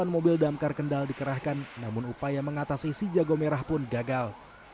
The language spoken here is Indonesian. delapan mobil damkar kendal dikerahkan namun upaya mengatasi si jago merah pun gagal